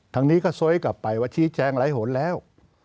ทางนี้ก็ซ้ยกลับไปว่าชี้แจงหลายหนแล้ว